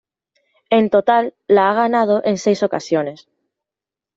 En total, la ha ganado en seis ocasiones.